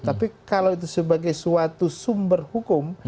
tapi kalau itu sebagai suatu sumber hukum